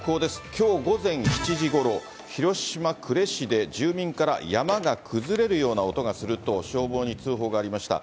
きょう午前７時ごろ、広島・呉市で、住民から山が崩れるような音がすると消防に通報がありました。